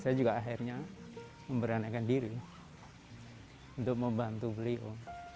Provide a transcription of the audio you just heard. saya juga akhirnya memberanikan diri untuk membantu beliau